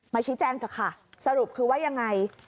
มาชิดแจงก่อนค่ะสรุปคือยังไง